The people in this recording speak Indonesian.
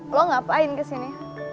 lo ngapain kesini